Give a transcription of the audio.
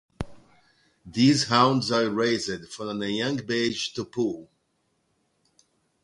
These hounds are raised from a young age to pull.